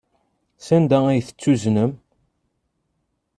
Sanda ay tt-uznen?